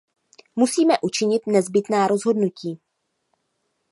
Musíme učinit nezbytná rozhodnutí.